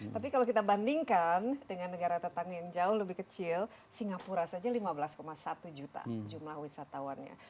tapi kalau kita bandingkan dengan negara tetangga yang jauh lebih kecil singapura saja lima belas satu juta jumlah wisatawannya